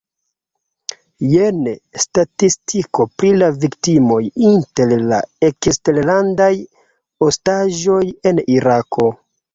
Jen statistiko pri la viktimoj inter la eksterlandaj ostaĝoj en Irako.